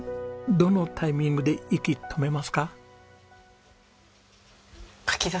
どのタイミングで息止めますか？